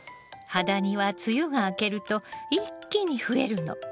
ハダニは梅雨が明けると一気に増えるの。